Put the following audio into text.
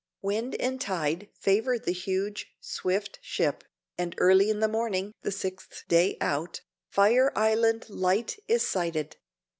Wind and tide favor the huge, swift ship, and early in the morning, the sixth day out, Fire Island light is sighted.